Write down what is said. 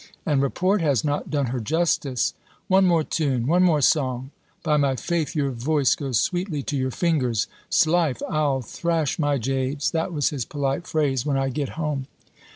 And report has not done her justice. One more tune, one more song By my faith, your voice goes sweetly to your fingers. 'Slife I'll thrash my jades," that was his polite phrase, "when I get home.